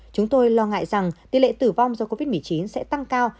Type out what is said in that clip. chúng tôi lo ngại rằng tỷ lệ tử vong do covid một mươi chín sẽ tăng cao